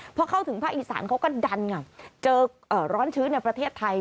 พอเข้าถึงภาคอีสานเขาก็ดันค่ะเจอร้อนชื้นในประเทศไทย